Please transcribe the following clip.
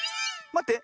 まって。